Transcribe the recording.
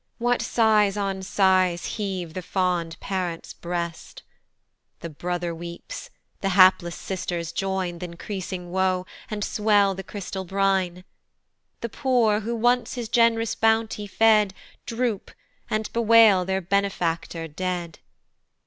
What sighs on sighs heave the fond parent's breast? The brother weeps, the hapless sisters join Th' increasing woe, and swell the crystal brine; The poor, who once his gen'rous bounty fed, Droop, and bewail their benefactor dead.